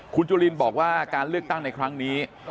คุณจุฬิลักษณะวิสิทธิ์บอกว่าการเลือกตั้งในครั้งนี้